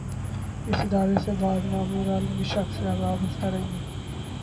اس ادارے سے بعض نامور علمی شخصیات وابستہ رہی ہیں۔